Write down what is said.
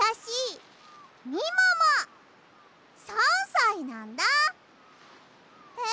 ３さいなんだ。え？